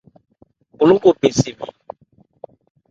Bho lókɔn bɛn se mɛn.